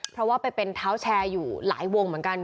เพราะว่าไปเป็นเท้าแชร์อยู่หลายวงเหมือนกัน